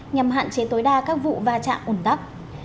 nhằm hạn chế tối đa các vụ va chạm ủn tắc